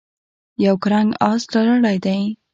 یو کرنګ آس تړلی دی.